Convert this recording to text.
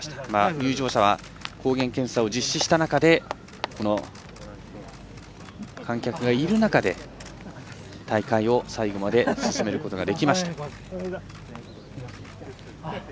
入場者は抗原検査を実施した中で観客がいる中で大会を最後まで進めることができました。